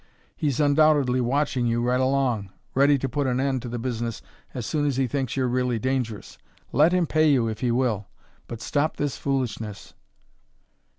He's undoubtedly watching you right along, ready to put an end to the business as soon as he thinks you're really dangerous. Let him pay you if he will; but stop this foolishness."